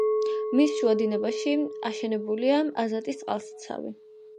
მის შუა დინებაში აშენებულია აზატის წყალსაცავი.